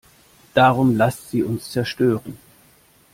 Darum lasst sie uns zerstören!